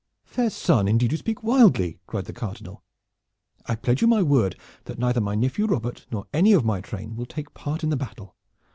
"Fair son, indeed you speak wildly," cried the Cardinal. "I pledge you my word that neither my nephew Robert nor any of my train will take part in the battle.